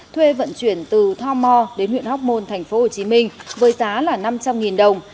thuê vận chuyển từ tho mò đến huyện hóc môn tp hcm với giá là năm trăm linh đồng